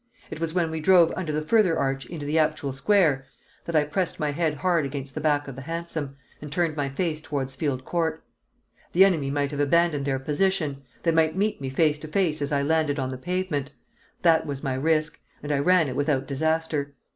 It was when we drove under the further arch into the actual square that I pressed my head hard against the back of the hansom, and turned my face towards Field Court. The enemy might have abandoned their position, they might meet me face to face as I landed on the pavement; that was my risk, and I ran it without disaster.